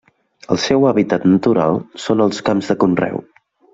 El seu hàbitat natural són els camps de conreu.